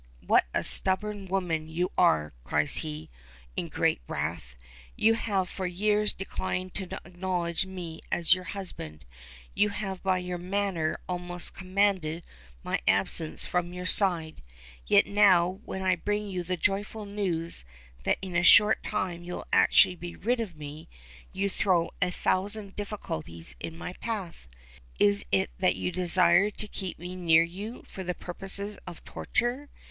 "What a stubborn woman you are," cries he, in great wrath. "You have for years declined to acknowledge me as your husband. You have by your manner almost commanded my absence from your side; yet now when I bring you the joyful news that in a short time you will actually be rid of me, you throw a thousand difficulties in my path. Is it that you desire to keep me near you for the purposes of torture?